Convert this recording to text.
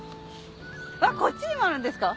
こっちにもあるんですか？